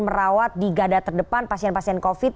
merawat di gada terdepan pasien pasien covid